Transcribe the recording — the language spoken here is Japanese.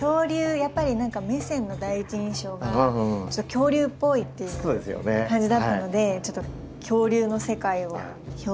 やっぱり何かメセンの第一印象が恐竜っぽいっていう感じだったのでちょっと恐竜の世界を表現してみました。